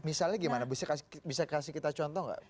bisa kasih kita contoh tidak